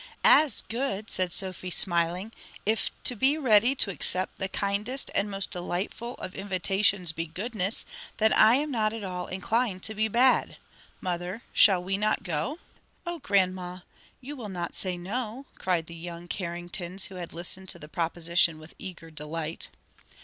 "As good!" said Sophie smiling, "if to be ready to accept the kindest and most delightful of invitations be goodness, then I am not at all inclined to be bad. Mother, shall we not go?" "O grandma, you will not say no?" cried the young Carringtons who had listened to the proposition with eager delight.